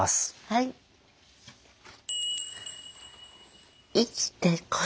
はい。